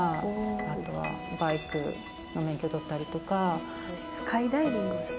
あとはバイクの免許取ったりとか。